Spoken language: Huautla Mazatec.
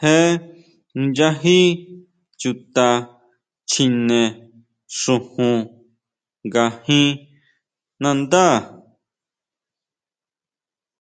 ¿Jé inchají chuta chjine xujun ngajin nandá?